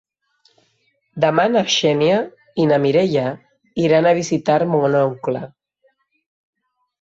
Demà na Xènia i na Mireia iran a visitar mon oncle.